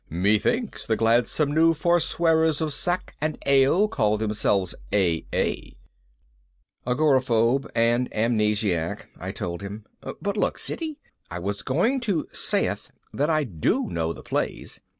"Methinks the gladsome new forswearers of sack and ale call themselves AA." "Agoraphobe and Amnesiac," I told him. "But look, Siddy, I was going to sayest that I do know the plays.